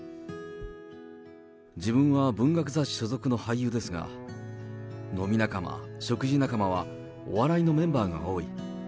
自分は文学座所属の俳優ですが、飲み仲間、食事仲間は、お笑いのメンバーが多い。